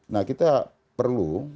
nah kita perlu